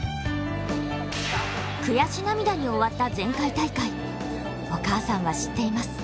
悔し涙に終わった前回大会お母さんは知っています。